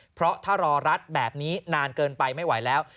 เพราะถ้ารอรัดแบบนี้นานเกินไปไม่ไหวแล้ว